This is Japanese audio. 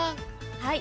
はい。